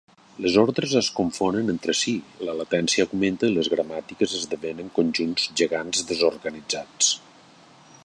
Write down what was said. Les ordres es confonen entre si, la latència augmenta i les gramàtiques esdevenen conjunts gegants desorganitzats.